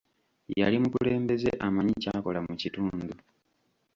Yali mukulembeze amanyi ky'akola mu kitundu.